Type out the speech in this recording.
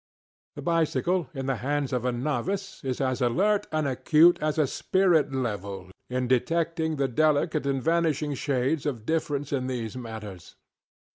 The bicycle, in the hands of a novice, is as alert and acute as a spirit level in the detecting of delicate and vanishing shades of difference in these matters.